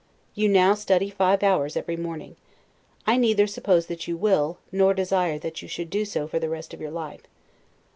You now, study five hours every morning; I neither suppose that you will, nor desire that you should do so for the rest of your life.